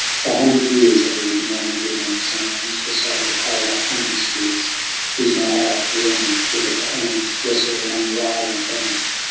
for a hundred years At evening on the glimmering sands, Beside the piled up hunting spears, These now outworn and withered hands Wrestled among the island bands.